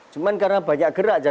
cuma karena banyak gerak